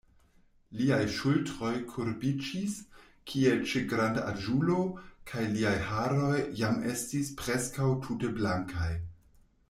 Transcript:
Liaj ŝultroj kurbiĝis, kiel ĉe grandaĝulo, kaj liaj haroj jam estis preskaŭ tute blankaj.